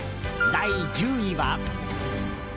第１０位は。